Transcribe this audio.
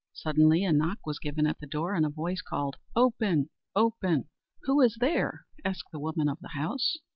Suddenly a knock was given at the door, and a voice called, "Open! open!" "Who is there?" said the woman of the house.